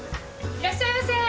いらっしゃいませ。